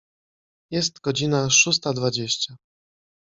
Jest godzina szósta dwadzieścia.